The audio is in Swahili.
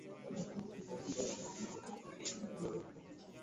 na wa nchi za jumuiya ya madola ambao bado